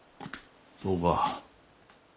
そうか。